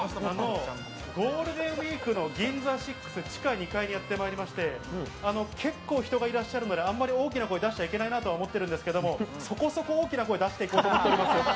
ゴールデンウイークのＧＩＮＺＡＳＩＸ地下２階にやって参りまして、結構人がいらっしゃるので、あんまり大きな声を出しちゃいけないなと思うんですが、そこそこ大きな声を出して行こうと思っています。